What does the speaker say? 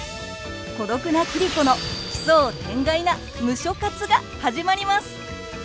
孤独な桐子の奇想天外な「ムショ活」が始まります！